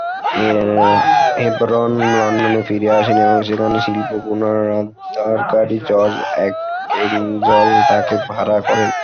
Hebron লন্ডনে ফিরে আসেন এবং সেখানে শিল্প পুনরুদ্ধারকারী জর্জ আক্জেল তাকে ভাড়া করেন।